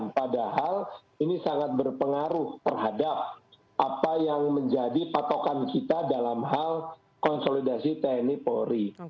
padahal ini sangat berpengaruh terhadap apa yang menjadi patokan kita dalam hal konsolidasi tni polri